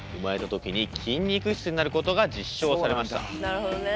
なるほどね。